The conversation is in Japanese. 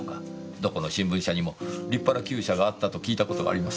どこの新聞社にも立派な鳩舎があったと聞いた事があります。